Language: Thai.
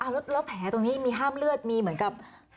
แล้วแผลตรงนี้มีห้ามเลือดมีเหมือนกับ